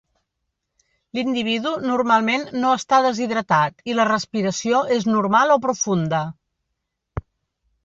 L'individu normalment no està deshidratat i la respiració és normal o profunda.